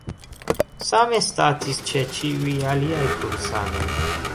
Same statis ĉe ĉiuj aliaj kursanoj.